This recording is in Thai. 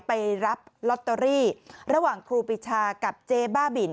ไปรับลอตเตอรี่ระหว่างครูปิชากับเจ๊บ้าบิน